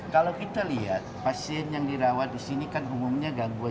kalau kita lihat pasien yang dirawat di sini kan umumnya gangguan